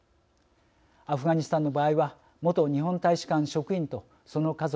アフガニスタンの場合は元日本大使館職員とその家族